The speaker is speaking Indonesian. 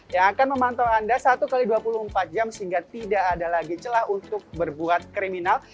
yang akan memantau anda satu x dua puluh empat jam sehingga tidak ada lagi celah untuk berbuat kriminal